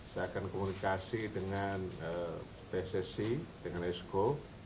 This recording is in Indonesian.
saya akan komunikasi dengan pssc dengan esco